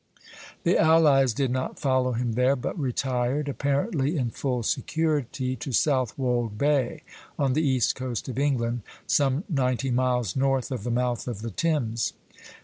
The allies did not follow him there, but retired, apparently in full security, to Southwold Bay, on the east coast of England, some ninety miles north of the mouth of the Thames.